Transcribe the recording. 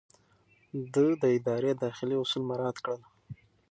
ده د ادارې داخلي اصول مراعات کړل.